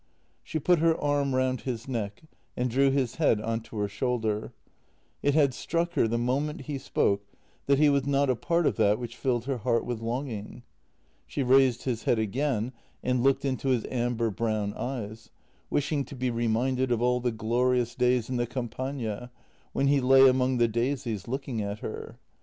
She put her arm round his neck and drew his head on to her shoulder. It had struck her the moment he spoke that he was not a part of that which filled her heart with longing. She raised his head again and looked into his amber brown eyes, wishing to be reminded of all the glorious days in the Campagna, when he lay among the daisies looking at her.